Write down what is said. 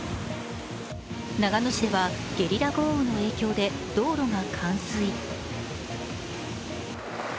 長野市ではゲリラ豪雨の影響で道路が冠水。